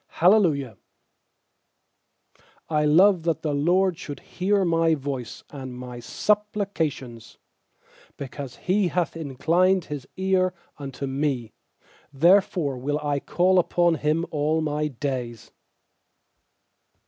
Hallelujah. 1 1 ft I love that the LORD shoulc 110 hear My voice and my supplications. 2Because He hath inclined His eai unto me, Therefore will I call upon Him all my days.